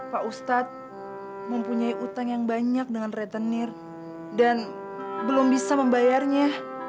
pak ustadz mempunyai utang yang banyak dengan retenir dan belum bisa membayarnya